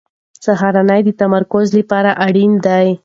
سهارنۍ د تمرکز لپاره اړینه ده.